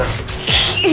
tante saya teriak